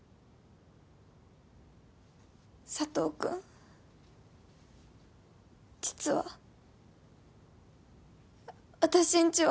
佐藤君実は。あたしんちは。